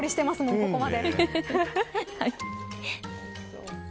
ここまで。